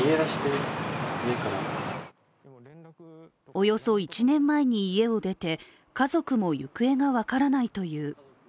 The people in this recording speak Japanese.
およそ１年前に家を出て家族も行方が分からないという。